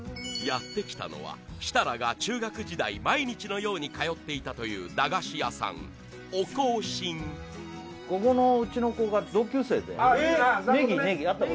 やってきたのは設楽が中学時代毎日のように通っていたという駄菓子屋さんおこうしんねぎねぎ会った